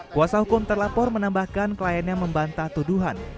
kuasa hukum terlapor menambahkan kliennya membantah tuduhan